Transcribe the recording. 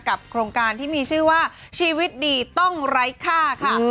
โครงการที่มีชื่อว่าชีวิตดีต้องไร้ค่าค่ะ